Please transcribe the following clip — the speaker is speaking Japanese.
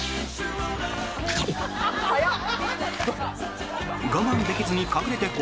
早っ。